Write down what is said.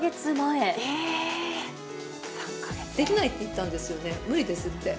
できないって言ったんですよね、無理ですって。